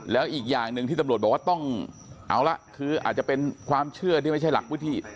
แล้วอีกอย่างหนึ่งที่ตำรวจบอกว่าต้องเอาละคืออาจจะเป็นความเชื่อที่ไม่ใช่หลักวิธี